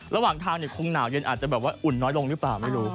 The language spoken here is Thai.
ระหว่างเท่านี้คงหนาวเย็นอาจจะอุ่นน้อยลงหรือเปล่าไม่รู้